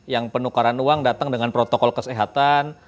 yang penukaran uang datang dengan protokol kesehatan